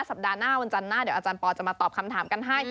สัปดาห์หน้าวันจันทร์หน้าเดี๋ยวอาจารย์ปอลจะมาตอบคำถามกันให้